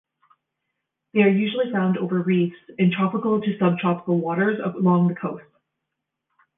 They are usually found over reefs, in tropical to subtropical waters along the coasts.